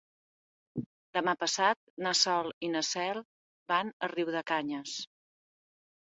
Demà passat na Sol i na Cel van a Riudecanyes.